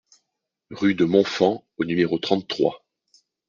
Rue de Montfand au numéro trente-trois